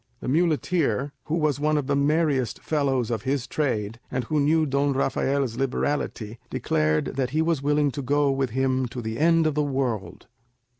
The muleteer, who was one of the merriest fellows of his trade, and who knew Don Rafael's liberality, declared that he was willing to go with him to the end of the world.